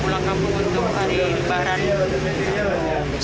pulang kampung untuk hari lebaran